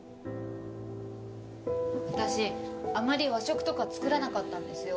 私あまり和食とか作らなかったんですよ。